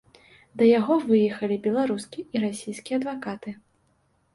Да яго выехалі беларускі і расійскі адвакаты.